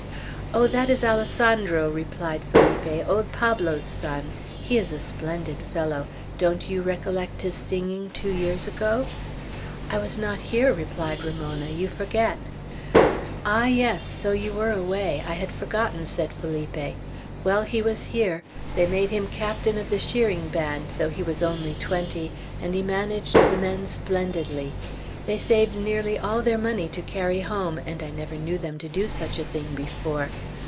"Oh, that is Alessandro," replied Felipe, "old Pablo's son. He is a splendid fellow. Don't you recollect his singing two years ago?" "I was not here," replied Ramona; "you forget." "Ah, yes, so you were away; I had forgotten," said Felipe. "Well, he was here. They made him captain of the shearing band, though he was only twenty, and he managed the men splendidly. They saved nearly all their money to carry home, and I never knew them do such a thing before.